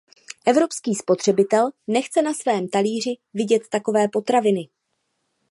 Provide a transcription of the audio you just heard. Evropský spotřebitel nechce na svém talíři vidět takové potraviny.